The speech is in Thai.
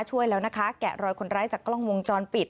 ช่วยแล้วนะคะแกะรอยคนร้ายจากกล้องวงจรปิด